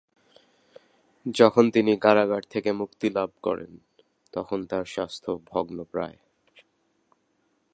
যখন তিনি কারাগার থেকে মুক্তি লাভ করেন তখন তার স্বাস্থ্য ভগ্নপ্রায়।